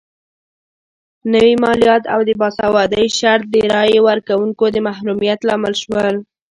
نوي مالیات او د باسوادۍ شرط د رایې ورکونکو د محرومیت لامل شول.